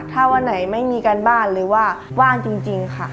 ถ้าวันไหนไม่มีการบ้านหรือว่าว่างจริงค่ะ